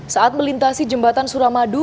saat melintasi jembatan suramadu